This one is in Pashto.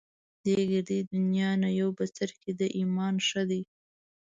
دې ګردې دنيا نه يو بڅری د ايمان ښه دی